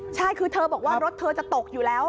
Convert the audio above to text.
ใช่คือเธอบอกว่ารถเธอจะตกอยู่แล้ว